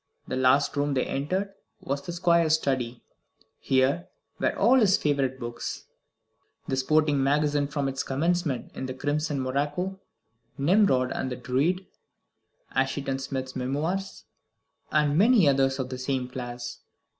The last room they entered was the Squire's study. Here were all his favourite books. The "Sporting Magazine" from its commencement, in crimson morocco. "Nimrod" and "The Druid," "Assheton Smith's Memoirs," and many others of the same class.